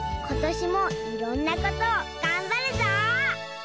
ことしもいろんなことをがんばるぞ！